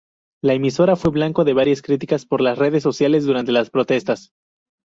La emisora fue blanco de varias críticas por las redes sociales durante las protestas.